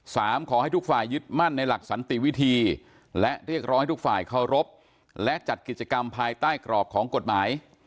ขอให้ทุกฝ่ายยึดมั่นในหลักสันติวิธีและเรียกร้องให้ทุกฝ่ายเคารพและจัดกิจกรรมภายใต้กรอบของกฎหมาย